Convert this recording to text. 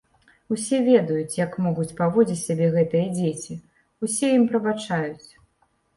Усе ведаюць, як могуць паводзіць сябе гэтыя дзеці, усе ім прабачаюць.